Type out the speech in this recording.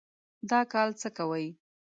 دا کال څه کوئ؟